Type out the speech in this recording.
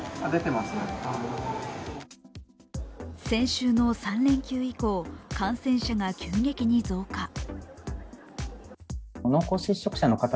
先週の３連休以降感染者が急激に増加。